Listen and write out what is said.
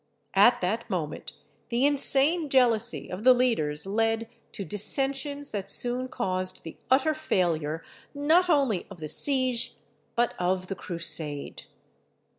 At that moment the insane jealousy of the leaders led to dissensions that soon caused the utter failure, not only of the siege but of the Crusade.